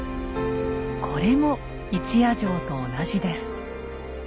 これも一夜城と同じです。